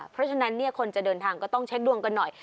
เพราะฉะนั้นคนจะเดินทางก็ต้องเช็คดวงกันหน่อย